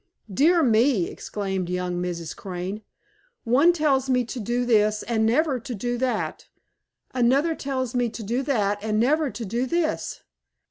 "Dear me!" exclaimed young Mrs. Crane, "one tells me to do this and never to do that. Another tells me to do that and never to do this.